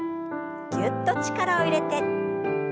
ぎゅっと力を入れて。